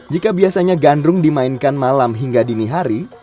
jika biasanya gandrung dimainkan malam hingga dini hari